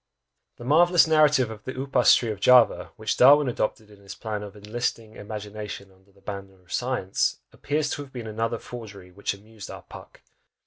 The marvellous narrative of the upas tree of Java, which Darwin adopted in his plan of "enlisting imagination under the banner of science," appears to have been another forgery which amused our "Puck."